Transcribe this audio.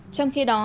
trong khi đó